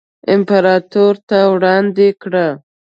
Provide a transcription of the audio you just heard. امپراتور ته وړاندې کړه.